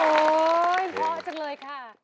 โอ้โฮพอจังเลยค่ะ